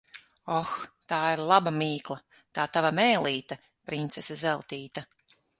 Oh, tā ir laba mīkla! Tā tava mēlīte, princese Zeltīte.